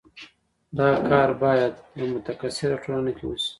دا کار باید په یوه متکثره ټولنه کې وشي.